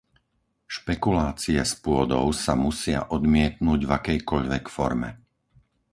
Špekulácie s pôdou sa musia odmietnuť v akejkoľvek forme.